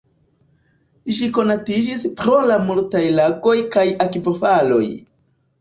Ĝi konatiĝis pro la multaj lagoj kaj akvofaloj.